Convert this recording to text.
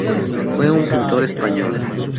Fue un pintor español.